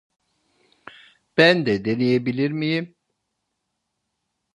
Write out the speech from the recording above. Ben de deneyebilir miyim?